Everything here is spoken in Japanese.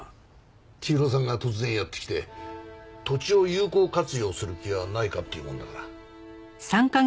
千尋さんが突然やって来て土地を有効活用する気はないかって言うもんだから。